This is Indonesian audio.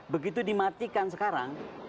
begitu dimatikan sekarang